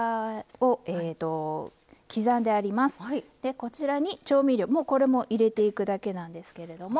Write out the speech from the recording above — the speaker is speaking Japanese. こちらに調味料これも入れていくだけなんですけれども。